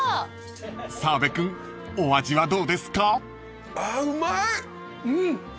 ［澤部君お味はどうですか？］